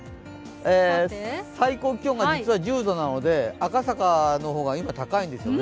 最高気温が実は１０度なので赤坂の方が今、高いんですよね。